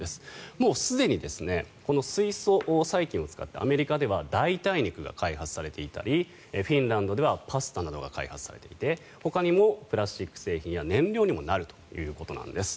もうすでにこの水素細菌を使ってアメリカでは代替肉が開発されていたりフィンランドではパスタなどが開発されていてほかにもプラスチック製品や燃料にもなるということです。